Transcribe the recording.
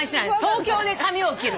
東京で髪を切る。